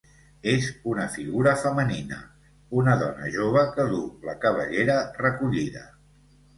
És una figura femenina, una dona jove que duu la cabellera recollida.